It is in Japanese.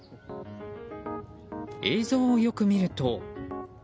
映像をよく見ると。